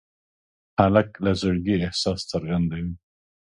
هلک له زړګي احساس څرګندوي.